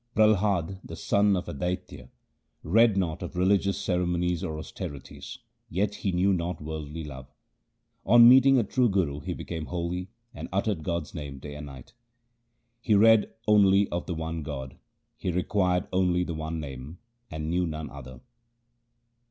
Prahlad, the son of a Daitya, 1 read not of religious cere monies or austerities, yet he knew not worldly love ; On meeting a true guru he became holy, and uttered God's name night and day. He read only of the one God ; he required only the one Name, and knew none other.